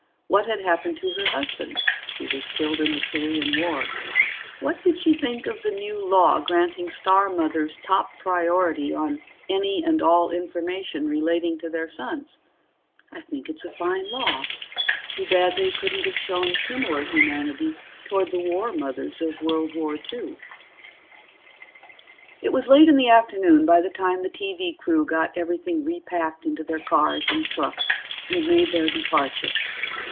What had happened to her husband? ("He was killed in the Korean War.") What did she think of the new law granting star mothers top priority on any and all information relating to their sons? ("I think it's a fine law ... It's too bad they couldn't have shown similar humanity toward the war mothers of World War II.") It was late in the afternoon by the time the TV crew got everything repacked into their cars and trucks and made their departure.